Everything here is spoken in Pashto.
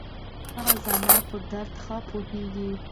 هغه زما په درد ښه پوهېږي.